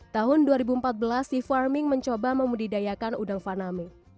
tahun dua ribu empat belas sea farming mencoba membudidayakan udang faname